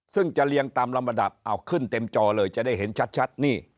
ซึ่งจะเรียงตามลำดับเอาขึ้นเต็มจอเลยจะได้เห็นชัดนี่